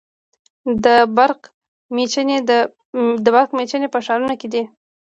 د برق میچنې په ښارونو کې دي.